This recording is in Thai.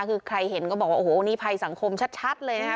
คือใครเห็นก็บอกว่าโอ้โหนี่ภัยสังคมชัดเลยนะครับ